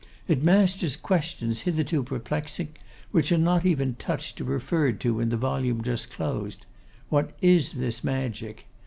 It masters questions hitherto perplexing, which are not even touched or referred to in the volume just closed. What is this magic?